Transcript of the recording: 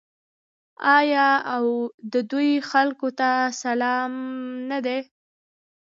آیا او د دوی خلکو ته سلام نه دی؟